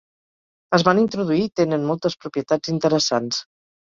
Es van introduir i tenen moltes propietats interessants.